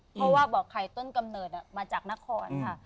เพราะว่าบ่อไข่ต้นกำเนิดมาจากนครค่ะ